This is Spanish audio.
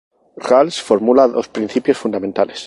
Rawls fórmula dos principios fundamentales.